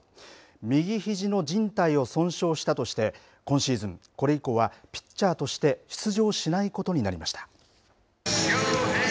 右ひじのじん帯を損傷したとして今シーズンこれ以降はピッチャーとして出場しないことになりました。